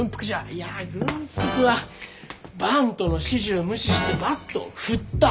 いや軍服はバントの指示ゅう無視してバットを振った。